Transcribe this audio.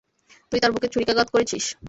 তুই তার বুকে ছুরিকাঘাত করেছিস।